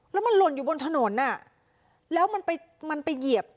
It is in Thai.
แล้วมันหล่นอยู่บนถนนอ่ะแล้วมันไปมันไปเหยียบ